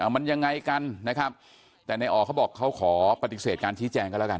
มันยังไงกันนะครับแต่ในอ๋อเขาบอกเขาขอปฏิเสธการชี้แจงกันแล้วกัน